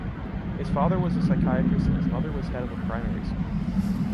His father was a psychiatrist and his mother was head of a primary school.